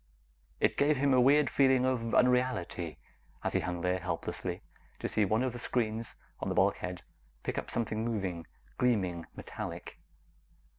It gave him a weird feeling of unreality; as he hung there helplessly, to see one of the screens on the bulkhead pick up something moving, gleaming, metallic.